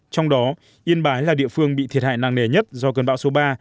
trong đó yên bái là địa phương bị thiệt hại nặng nề nhất do cơn bão số ba